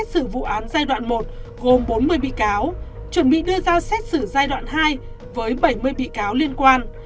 xử vụ án giai đoạn một gồm bốn mươi bị cáo chuẩn bị đưa ra xét xử giai đoạn hai với bảy mươi bị cáo liên quan